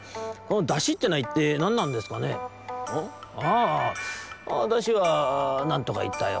あだしはなんとかいったよ。